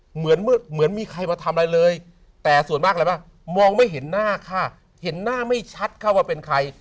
เหมือนเหมือนมีใครมาทำอะไรเลยแต่ส่วนมากอะไรบ้างมองไม่เห็นหน้าค่ะเห็นหน้าไม่ชัดค่ะว่าเป็นใคร